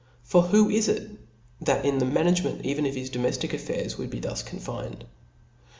For who is it that in the management even of his donxftic affairs would be thus confined